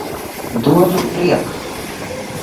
Dodu priek